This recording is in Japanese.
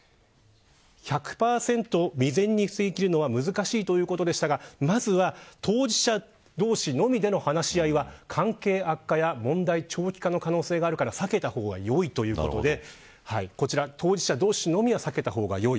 １００％未然に防ぎ切るのは難しいということでしたがまずは当事者同士のみでの話し合いは関係悪化や問題長期化の可能性があるから避けた方がよいということで当事者同士のみは避けた方がよい。